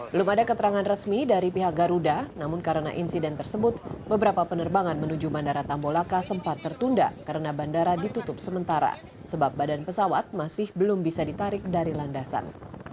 belum ada keterangan resmi dari pihak garuda namun karena insiden tersebut beberapa penerbangan menuju bandara tambolaka sempat tertunda karena bandara ditutup sementara sebab badan pesawat masih belum bisa ditarik dari landasan